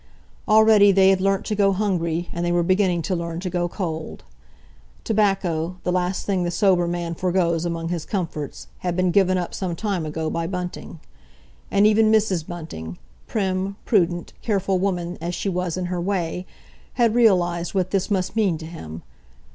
Already they had learnt to go hungry, and they were beginning to learn to go cold. Tobacco, the last thing the sober man foregoes among his comforts, had been given up some time ago by Bunting. And even Mrs. Bunting—prim, prudent, careful woman as she was in her way—had realised what this must mean to him.